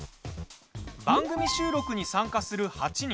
番組収録に参加する８人。